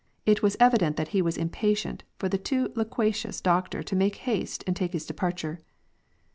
It was evident that he was impatient for the too loquacious doctor to make haste and take his departure.